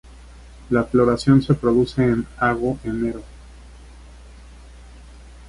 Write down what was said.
La floración se produce en ago–enero.